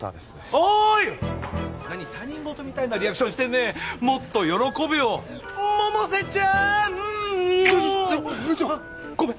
おーい何他人事みたいなリアクションしてんねんもっと喜べよ百瀬ちゃんうんちょっ部長ごめん